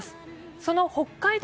その北海道